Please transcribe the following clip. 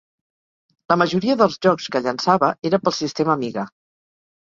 La majoria dels jocs que llençava era pel sistema Amiga.